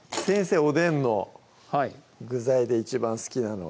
おでんの具材で一番好きなのは？